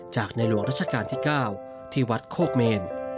จากในหลวงราชการที่เก้าที่วัดโคกเมน